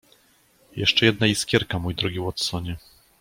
"Jeszcze jedna iskierka, mój drogi Watsonie."